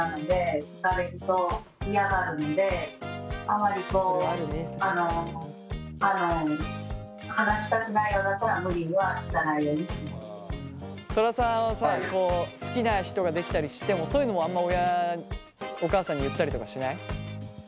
あまりこうあのトラさんはさ好きな人ができたりしてもそういうのはあんま親お母さんに言ったりとかしない？